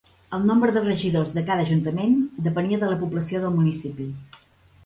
El nombre de regidors de cada ajuntament depenia de la població del municipi.